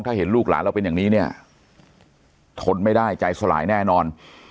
ถ้าเห็นลูกหลานเราเป็นอย่างนี้เนี่ยทนไม่ได้ใจสลายแน่นอน